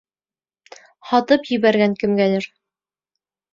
Һатып ебәргән кемгәлер!..